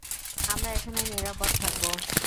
আমরা এখানে নিরাপদ থাকব।